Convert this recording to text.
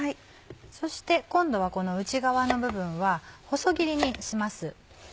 そして今度はこの内側の部分は細切りにします。